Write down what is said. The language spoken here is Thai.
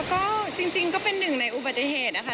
ก็จริงก็เป็นหนึ่งในอุบัติเหตุนะคะ